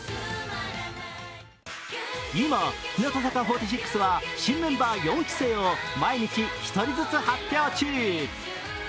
今、日向坂４６は新メンバー四期生を毎日１人ずつ発表中。